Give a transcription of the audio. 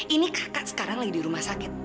ini kakak sekarang lagi di rumah sakit